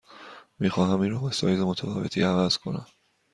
می خواهم این را با سایز متفاوتی عوض کنم.